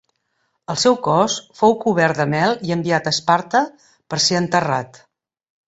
El seu cos fou cobert de mel i enviat a Esparta per ser enterrat.